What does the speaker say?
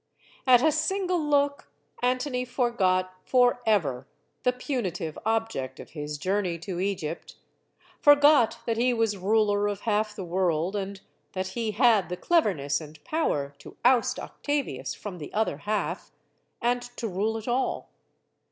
At a single look, Antony forgot forever the punitive object of his journey to Egypt; forgot that he was ruler of half the world, and that he had the cleverness and power to oust Octavius from the other half, and to rule it all.